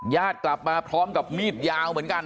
ญาติกลับมาพร้อมกับมีดยาวเหมือนกัน